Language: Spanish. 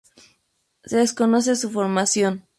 Se desconoce su formación.